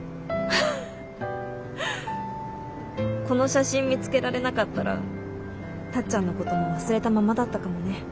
この写真見つけられなかったらタッちゃんのことも忘れたままだったかもね。